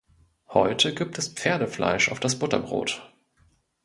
Heute gibt es Pferdefleisch auf das Butterbrot